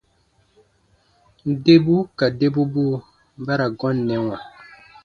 Debu ka debubuu ba ra gɔnnɛwa.